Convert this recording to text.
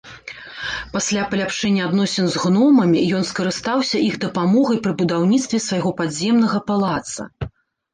Пасля паляпшэння адносін з гномамі ён скарыстаўся іх дапамогай пры будаўніцтве свайго падземнага палаца.